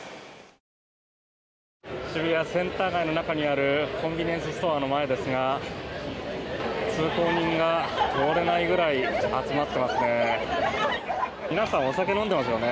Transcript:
渋谷センター街の中にあるコンビニエンスストアの前ですが通行人が通れないぐらい集まっていますね。